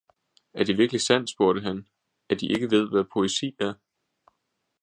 Er det virkeligt sandt, spurgte han, at De ikke ved, hvad poesi er?